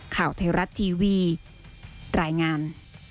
ข่าวเทราะต์ทีวีรายงาน